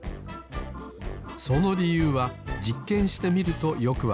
そのりゆうはじっけんしてみるとよくわかります。